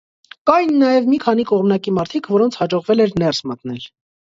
Կային նաև մի քանի կողմնակի մարդիկ, որոնց հաջողվել էր ներս մտնել: